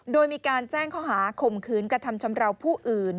โดยมีการแจ้งข้อหาข่มขืนกระทำชำราวผู้อื่น